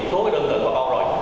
một số đơn tượng của bà con rồi